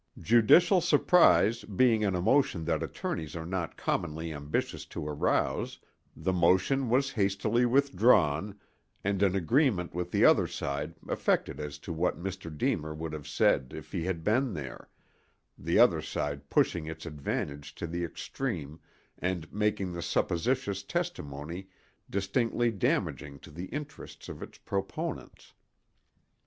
Judicial surprise being an emotion that attorneys are not commonly ambitious to arouse, the motion was hastily withdrawn and an agreement with the other side effected as to what Mr. Deemer would have said if he had been there—the other side pushing its advantage to the extreme and making the supposititious testimony distinctly damaging to the interests of its proponents.